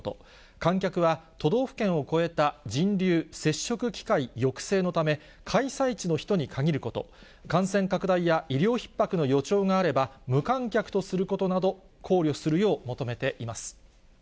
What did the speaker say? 観客は都道府県を越えた人流、接触機会抑制のため、開催地の人に限ること、感染拡大や医療ひっ迫の予兆があれば、無観客とすることなどを考慮するよう求めています。